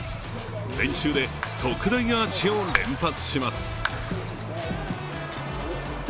練習で特大アーチを連発します。